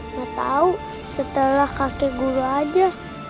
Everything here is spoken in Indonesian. tidak tahu setelah kakek guru saja